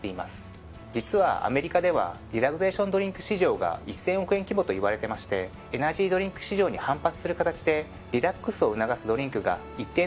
実はアメリカではリラクセーションドリンク市場が１，０００億円規模といわれてましてエナジードリンク市場に反発する形でリラックスを促すドリンクが一定の支持を得てます。